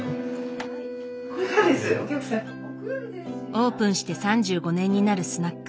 オープンして３５年になるスナック。